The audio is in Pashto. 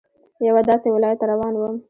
یوه داسې ولايت ته روان وم.